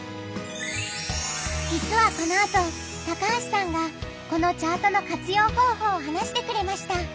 じつはこのあと高橋さんがこのチャートの活用方法を話してくれました。